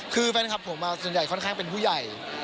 คือแฟนคลับผมส่วนใหญ่ค่อนข้างเป็นผู้ใหญ่